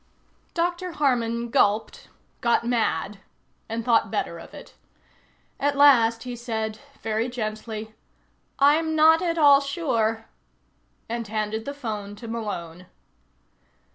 Dr. Harman gulped, got mad, and thought better of it. At last he said, very gently; "I'm not at all sure," and handed the phone to Malone.